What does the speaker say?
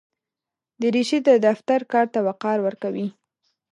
دریشي د دفتر کار ته وقار ورکوي.